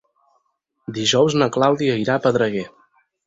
Dijous na Clàudia irà a Pedreguer.